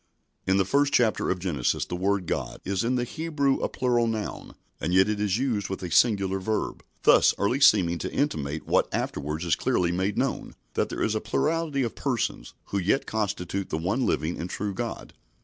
In the first chapter of Genesis the word "God" is in the Hebrew a plural noun, and yet it is used with a singular verb, thus early seeming to intimate what afterwards is clearly made known, that there is a plurality of Persons, who yet constitute the one living and true God.